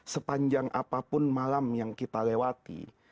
sepanjang apapun malam yang kita lewati